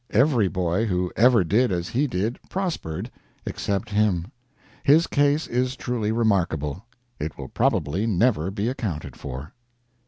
Every boy who ever did as he did prospered except him. His case is truly remarkable. It will probably never be accounted for.